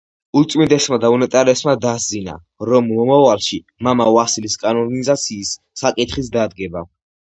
უწმინდესმა და უნეტარესმა დასძინა, რომ მომავალში მამა ვასილის კანონიზაციის საკითხიც დადგება.